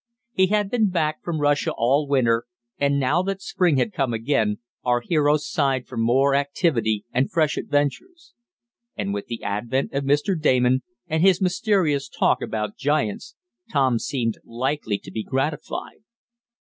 He had been back from Russia all winter and, now that Spring had come again, our hero sighed for more activity, and fresh adventures. And with the advent of Mr. Damon, and his mysterious talk about giants, Tom seemed likely to be gratified.